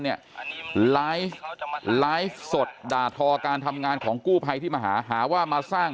เนี่ยไลฟ์ไลฟ์สดด่าทอการทำงานของกู้ภัยที่มาหาหาว่ามาสร้าง